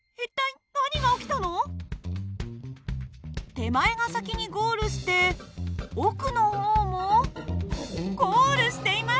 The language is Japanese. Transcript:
手前が先にゴールして奥の方もゴールしています！